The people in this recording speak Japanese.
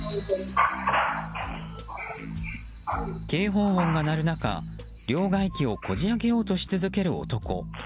警報音が鳴る中、両替機をこじ開けようとし続ける男。